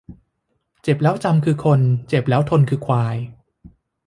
เจ็บแล้วจำคือคน เจ็บแล้วทนคือควาย